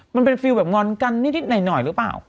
มันเป็นฟิลแบบงอนกันนิดหน่อยหรือเปล่า